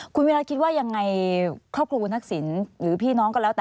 คุณวิรัติคิดว่ายังไงครอบครัวคุณทักษิณหรือพี่น้องก็แล้วแต่